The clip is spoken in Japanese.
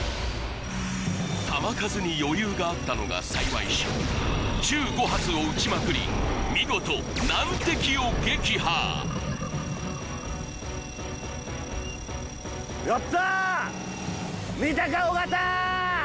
弾数に余裕があったのが幸いし１５発を撃ちまくり見事難敵を撃破おおっ！